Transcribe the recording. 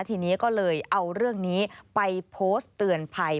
ทีนี้ก็เลยเอาเรื่องนี้ไปโพสต์เตือนภัย